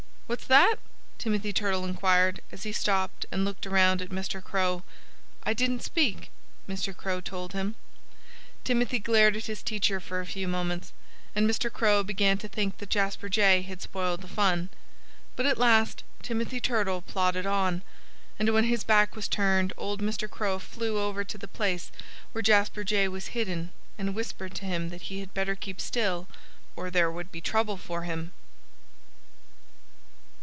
"What's that!" Timothy Turtle inquired, as he stopped and looked around at Mr. Crow. "I didn't speak," Mr. Crow told him. Timothy glared at his teacher for a few moments. And Mr. Crow began to think that Jasper Jay had spoiled the fun. But at last Timothy Turtle plodded on. And when his back was turned old Mr. Crow flew over to the place where Jasper Jay was hidden and whispered to him that he had better keep still or there would be trouble for him.